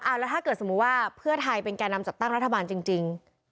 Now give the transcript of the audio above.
แล้วถ้าเกิดสมมุติว่าเพื่อไทยเป็นแก่นำจัดตั้งรัฐบาลจริง